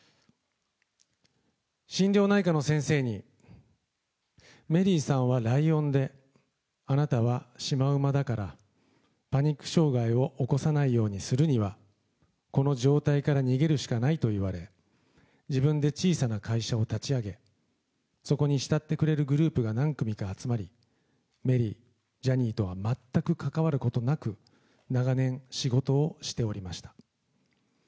心療内科の先生に、メリーさんはライオンで、あなたはシマウマだから、パニック障害を起こさないようにするには、この状態から逃げるしかないと言われ、自分で小さな会社を立ち上げ、そこに慕ってくれるグループが何組か集まり、メリー、ジャニーとは全く関わることなく、長年仕事をしておりました。